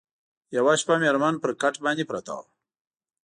یوه شپه مېرمن پر کټ باندي پرته وه